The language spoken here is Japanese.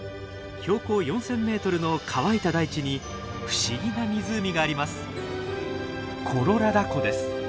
標高４，０００ｍの乾いた大地に不思議な湖があります。